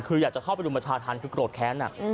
ทุกอย่างจากเข้าไปดุมชาธานคือกรดแค้นน่ะ